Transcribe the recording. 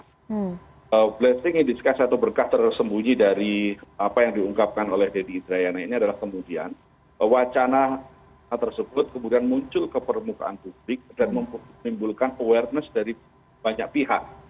jadi ingin diskusi satu berkah tersembunyi dari apa yang diungkapkan oleh denny indrayana ini adalah kemudian wacana tersebut kemudian muncul ke permukaan publik dan memimpulkan awareness dari banyak pihak